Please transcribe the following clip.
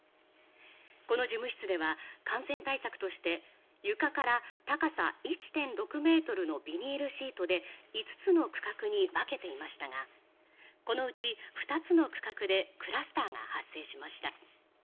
この事務室では感染対策として床から高さ１．６ｍのビニールシートで５つの区画に分けていましたがこのうち２つの区画でクラスターが発生しました。